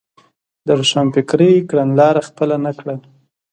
د روښانفکرۍ کڼلاره خپله نه کړه.